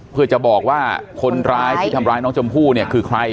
เพื่อจะบอกว่าคนร้ายที่ทำร้ายน้องชมพู่เนี่ยคือใคร